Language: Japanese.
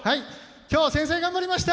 今日、先生頑張りました。